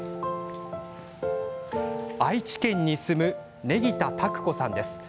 愛知県に住む祢宜田拓子さんです。